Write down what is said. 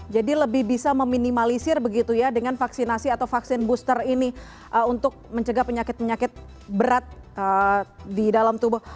jadi lebih bisa meminimalisir begitu ya dengan vaksinasi atau vaksin booster ini untuk mencegah penyakit penyakit berat di dalam tubuh